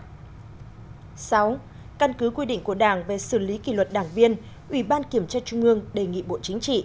sáu căn cứ quy định của đảng về xử lý kỷ luật đảng viên ủy ban kiểm tra trung ương đề nghị bộ chính trị